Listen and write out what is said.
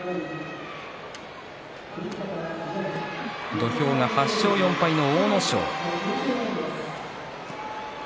土俵が８勝４敗の阿武咲。